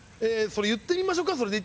それでいってみましょか。